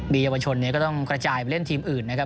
มีเยาวชนก็ต้องกระจายไปเล่นทีมอื่นนะครับ